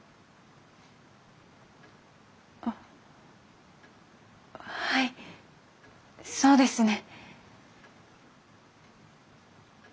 あっはいそうですね。